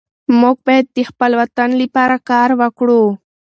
موږ باید د خپل وطن لپاره کار وکړو.